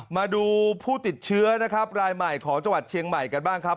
มาดูผู้ติดเชื้อนะครับรายใหม่ของจังหวัดเชียงใหม่กันบ้างครับ